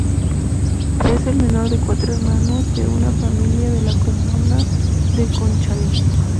Es el menor de cuatro hermanos de una familia de la comuna de Conchalí.